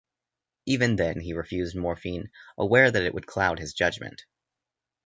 Even then he refused morphine, aware that it would cloud his judgement.